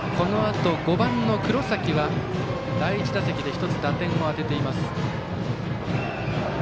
このあと５番の黒崎は第１打席で１つ、打点を挙げています。